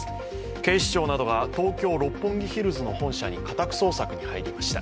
警視庁などが東京・六本木ヒルズの本社に家宅捜索に入りました。